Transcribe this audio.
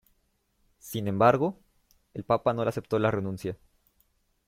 Sin embargo, el Papa no le aceptó la renuncia.